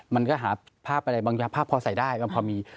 มันก็หาภาพอะไรบางภาพพอใส่ได้มันพอมี